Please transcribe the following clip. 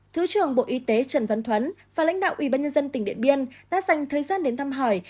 thứ trưởng bộ y tế trần văn thuấn và lãnh đạo ủy ban nhân dân tỉnh điện biên đã dành thời gian đến thăm hỏi